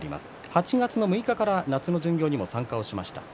８月６日から夏の巡業にも参加をしました。